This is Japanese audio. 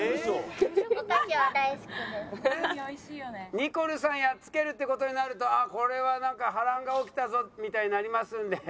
ニコルさんやっつけるって事になるとこれはなんか波乱が起きたぞみたいになりますんで。